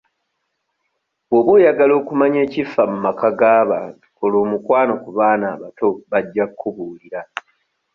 Bw'oba oyagala okumanya ekifa mu maka g'abantu kola omukwano ku baana abato bajja kkubuulira.